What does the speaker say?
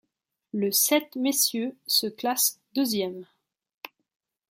Le sept messieurs se classe deuxième.